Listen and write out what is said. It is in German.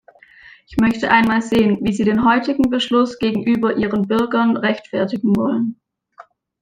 Ich möchte einmal sehen, wie Sie den heutigen Beschluss gegenüber Ihren Bürgern rechtfertigen wollen!